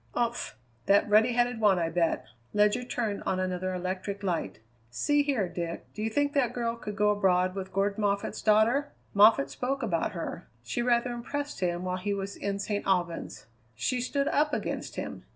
"Umph! That ruddy headed one, I bet!" Ledyard turned on another electric light. "See here, Dick, do you think that girl could go abroad with Gordon Moffatt's daughter? Moffatt spoke about her. She rather impressed him while he was in St. Albans. She stood up against him.